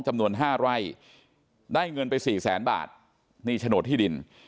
จำนวน๕ไร่ได้เงินไปสี่แสนบาทนี่โฉนดที่ดิน